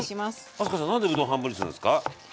明日香さん何でうどん半分にするんですか？